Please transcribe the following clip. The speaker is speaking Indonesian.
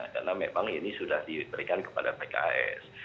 karena memang ini sudah diberikan kepada pks